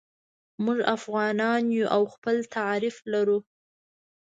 موږ افغانان یو او خپل تعریف لرو.